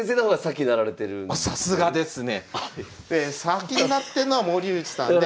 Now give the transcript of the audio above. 先になってんのは森内さんで。